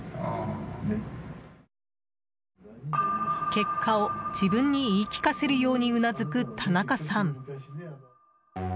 結果を自分に言い聞かせるようにうなずく田中さん。